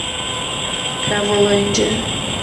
Cravolândia